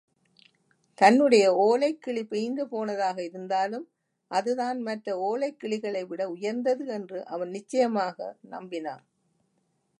தன்டைய ஓலைக்கிளி பிய்ந்து போனதாக இருந்தாலும் அதுதான் மற்ற ஓலைக்கிளிகளைவிட உயர்ந்தது என்று அவன் நிச்சயமாக நம்பினான்.